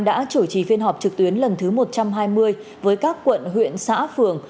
đã chủ trì phiên họp trực tuyến lần thứ một trăm hai mươi với các quận huyện xã phường